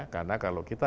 karena kalau kita